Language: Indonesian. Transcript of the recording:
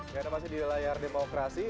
ya anda masih di layar demokrasi